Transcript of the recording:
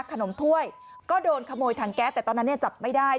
ถ้วยก็โดนขโมยถังแก๊สแต่ตอนนั้นเนี่ยจับไม่ได้